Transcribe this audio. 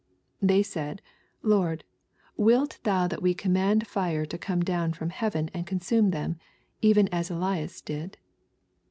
" They said, Lord, wilt thou that we command fire to come down from heaven and consume them, even as Elias did